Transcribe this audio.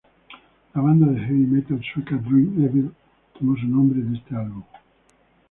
La banda de heavy metal sueca Dream Evil tomó su nombre de este álbum.